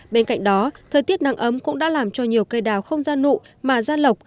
bên cạnh đó thời tiết nắng ấm cũng đã làm cho nhiều cây đào không ra nụ mà ra lọc